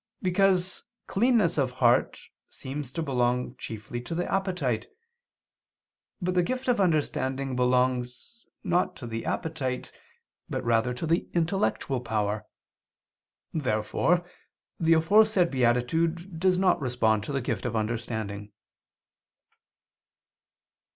Because cleanness of heart seems to belong chiefly to the appetite. But the gift of understanding belongs, not to the appetite, but rather to the intellectual power. Therefore the aforesaid beatitude does not respond to the gift of understanding.